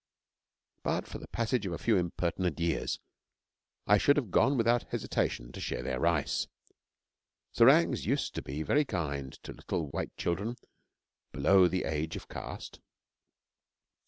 But for the passage of a few impertinent years, I should have gone without hesitation to share their rice. Serangs used to be very kind to little white children below the age of caste.